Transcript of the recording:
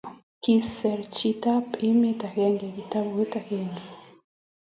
Kiser chitab emet agenge kitabut agenge.